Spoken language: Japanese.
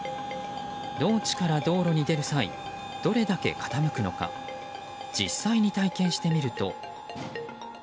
農地から道路に出る際どれだけ傾くのか実際に体験してみると。